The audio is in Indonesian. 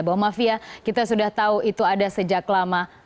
bahwa mafia kita sudah tahu itu ada sejak lama